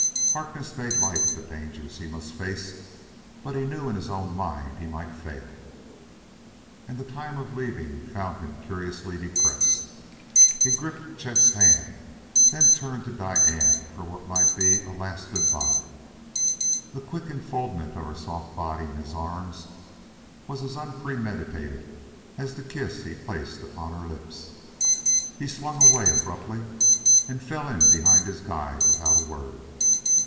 Harkness made light of the dangers he must face, but he knew in his own mind he might fail. And the time of leaving found him curiously depressed. He had gripped Chet's hand, then turned to Diane for what might be a last good by. The quick enfoldment of her soft body in his arms was as unpremeditated as the kiss he placed upon her lips.... He swung away abruptly, and fell in behind his guide without a word.